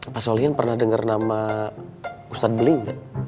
pak solihin pernah denger nama ustadz belin ga